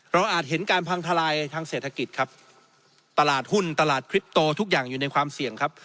อาจเห็นการพังทลายทางเศรษฐกิจครับตลาดหุ้นตลาดคลิปโตทุกอย่างอยู่ในความเสี่ยงครับ